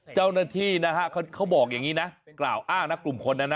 เจ้าหน้าที่นะฮะเขาบอกอย่างนี้นะกล่าวอ้างนะกลุ่มคนนั้นนะ